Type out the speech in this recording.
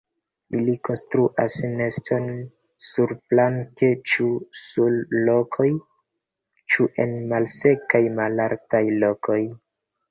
Ili konstruas neston surplanke ĉu sur rokoj ĉu en malsekaj malaltaj lokoj.